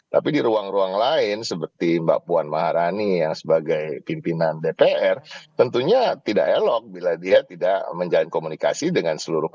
tapi di ruang ruang lain seperti mbak puan maharani yang sebagai pimpinan dpr tentunya tidak elok bila dia tidak menjalin komunikasi dengan seluruh partai